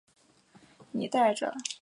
其妹朱仲丽嫁王稼祥。